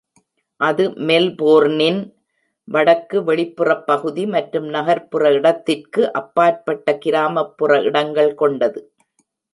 அது மெல்போர்னின் வடக்கு வெளிப்புறப் பகுதி மற்றும் நகர்ப் புற இடத்திற்கு அப்பாற்பட்ட கிராமப் புற இடங்கள் கொண்டது.